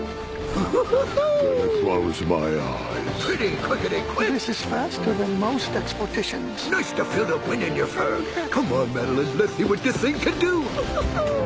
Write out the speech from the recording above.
フフフフ！